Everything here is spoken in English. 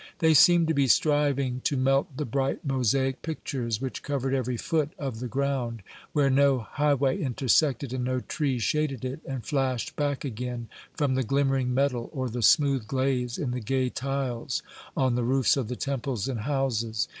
They seemed to be striving to melt the bright mosaic pictures which covered every foot of the ground, where no highway intersected and no tree shaded it, and flashed back again from the glimmering metal or the smooth glaze in the gay tiles on the roofs of the temples and houses.